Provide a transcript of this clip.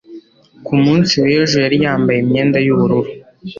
ku munsi w'ejo yari yambaye imyenda y'ubururu